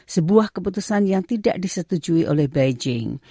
sebuah keputusan yang tidak disetujui oleh beijing